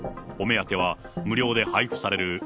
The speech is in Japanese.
お目当ては無料で配布される